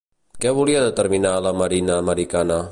Què volia determinar la marina americana?